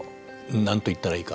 何と言ったらいいか。